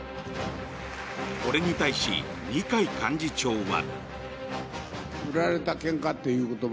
これに対し、二階幹事長は。